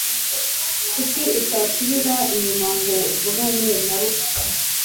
Kuki utasubira inyuma ngo uvugane na Luka